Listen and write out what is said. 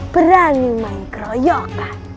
berani main keroyokan